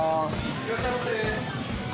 いらっしゃいませ。